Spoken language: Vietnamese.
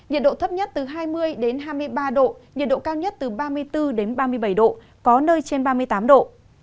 nhiệt độ thấp nhất từ hai mươi hai mươi ba độ nhiệt độ cao nhất từ ba mươi bốn ba mươi bảy độ có nơi trên ba mươi tám độ